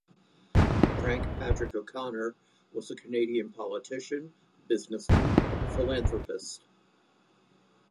Frank Patrick O'Connor was a Canadian politician, businessman, philanthropist.